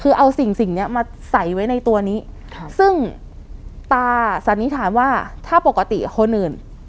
คือเอาสิ่งสิ่งนี้มาใส่ไว้ในตัวนี้ซึ่งตาสันนิษฐานว่าถ้าปกติคนอื่น